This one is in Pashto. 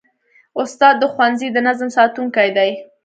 استاد د ښوونځي د نظم ساتونکی دی.